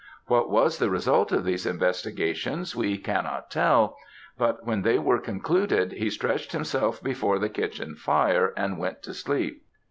What was the result of these investigations we cannot tell; but when they were concluded, he stretched himself before the kitchen fire, and went to sleep.